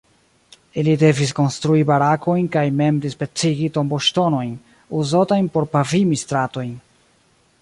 Ili devis konstrui barakojn kaj mem dispecigi tomboŝtonojn uzotajn por pavimi stratojn.